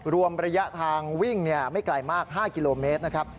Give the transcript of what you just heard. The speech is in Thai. รวมระยะทางวิ่งไม่ไกลมาก๕กิโลเมตรนะครับ